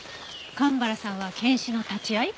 蒲原さんは検視の立ち会い？